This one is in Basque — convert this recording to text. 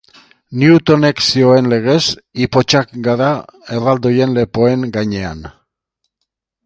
Newtonek zioen legez, ipotxak gara erraldoien lepoen gainean.